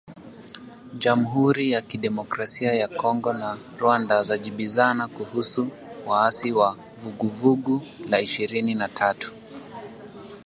Jamuhuri ya Kidemokrasia ya Kongo na Rwanda zajibizana kuhusu waasi wa Vuguvugu la Ishirini na tatu